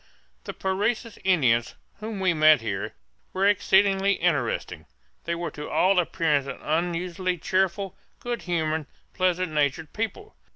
The Parecis Indians, whom we met here, were exceedingly interesting. They were to all appearance an unusually cheerful, good humored, pleasant natured people.